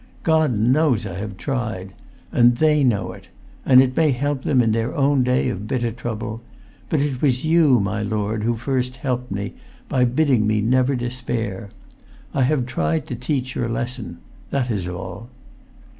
God knows I have tried; and they know it; and it may help them in their own day of bitter trouble. But it was you, my lord, who first helped me, by bidding me never despair. I have tried to teach your lesson; that is all."